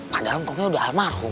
pusing banget kepala aku